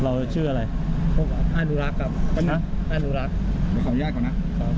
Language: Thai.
เราชื่ออะไรฮะอย่าขออนุญาตก่อนนะ